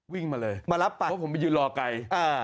วิ่งมาเลยมารับไปเพราะผมไปยืนรอไกล